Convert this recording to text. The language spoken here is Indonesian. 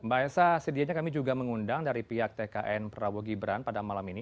mbak esa sedianya kami juga mengundang dari pihak tkn prabowo gibran pada malam ini